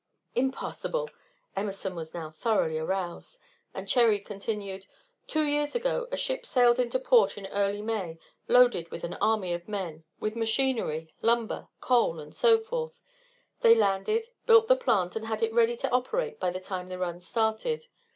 "Impossible!" Emerson was now thoroughly aroused, and Cherry continued: "Two years ago a ship sailed into port in early May loaded with an army of men, with machinery, lumber, coal, and so forth. They landed, built the plant, and had it ready to operate by the time the run started.